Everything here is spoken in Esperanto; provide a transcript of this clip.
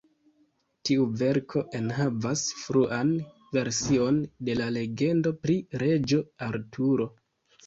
Tiu verko enhavas fruan version de la legendoj pri Reĝo Arturo.